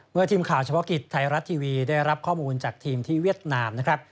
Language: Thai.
ทีมข่าวเฉพาะกิจไทยรัฐทีวีได้รับข้อมูลจากทีมที่เวียดนามนะครับ